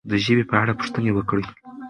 د ژبې په اړه پوښتنې وکړئ.